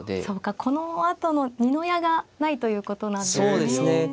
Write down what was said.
そうかこのあとの二の矢がないということなんですね。